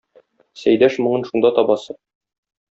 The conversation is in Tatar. Сәйдәш моңын шунда табасы.